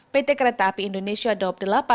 pt kereta api indonesia daob delapan